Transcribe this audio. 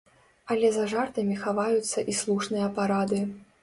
Але за жартамі хаваюцца і слушныя парады.